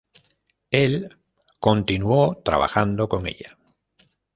Él continuó trabajando con ella.